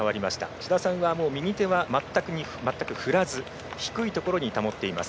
志田さんは右手はまったく振らず低いところに保っています。